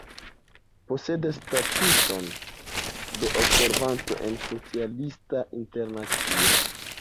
Posedas statuson de observanto en Socialista Internacio.